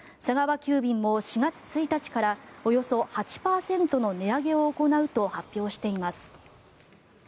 急便も４月１日からおよそ８％の値上げを行うと発表しています。